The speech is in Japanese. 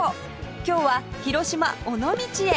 今日は広島尾道へ